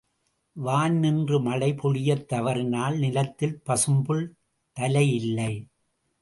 வான் நின்று மழை பொழியத் தவறினால் நிலத்தில் பசும்புல் தலை இல்லை!